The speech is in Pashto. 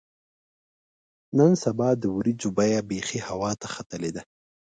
نن سبا د وریجو بیه بیخي هوا ته ختلې ده.